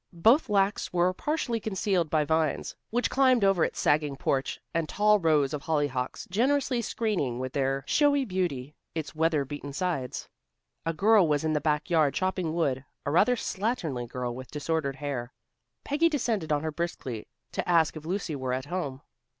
Both lacks were partially concealed by vines which climbed over its sagging porch, and tall rows of hollyhocks, generously screening with their showy beauty its weather beaten sides. A girl was in the back yard chopping wood, a rather slatternly girl with disordered hair. Peggy descended on her briskly to ask if Lucy were at home.